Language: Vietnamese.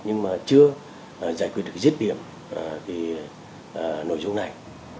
nhưng mà chưa giải quyết được giết điểm nội dung này